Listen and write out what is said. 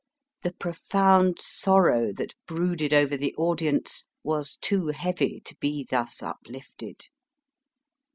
The profound sorrow that brooded over the audience was too heavy to be thus upHfted.